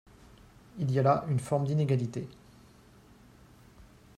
Il y a là une forme d’inégalité.